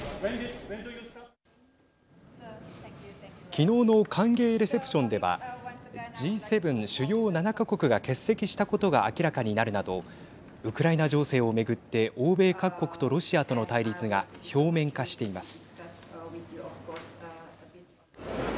きのうの歓迎レセプションではＧ７＝主要７か国が欠席したことが明らかになるなどウクライナ情勢を巡って欧米各国とロシアとの対立が表面化しています。